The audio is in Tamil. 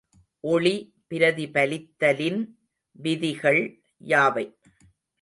ஒளி பிரதிபலித்தலின் விதிகள் யாவை?